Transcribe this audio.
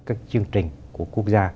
các chương trình của quốc gia